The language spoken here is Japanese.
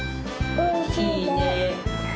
おいしいね。